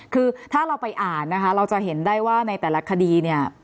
คือถ้าเราไปอ่านนะคะเราจะเห็นได้ว่าในแต่ละคดีเนี่ย